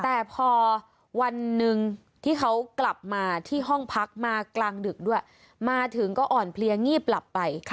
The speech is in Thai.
แต่พอวันหนึ่งที่เขากลับมาที่ห้องพักมากลางดึกด้วยมาถึงก็อ่อนเพลียงีบหลับไป